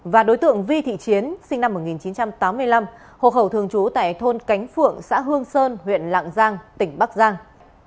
và đối tượng vi thị chiến sinh năm một nghìn chín trăm tám mươi năm hộ khẩu thường trú tại thôn cánh phượng xã hương sơn huyện lạng giang tỉnh bắc giang